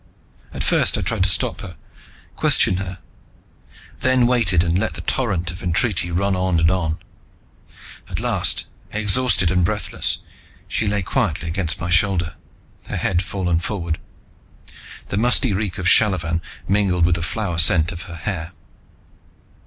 At first I tried to stop her, question her, then waited and let the torrent of entreaty run on and on. At last, exhausted and breathless, she lay quietly against my shoulder, her head fallen forward. The musty reek of shallavan mingled with the flower scent of her hair.